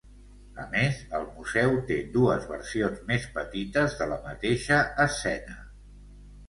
A més el museu té dues versions més petites de la mateixa escena.